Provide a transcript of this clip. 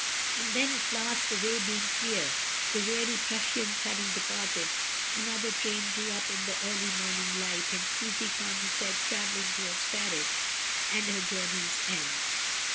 And then, at last, the way being clear, the weary Prussians having departed, another train drew up in the early morning light, and Susy found her self travelling towards Paris and her journey's end.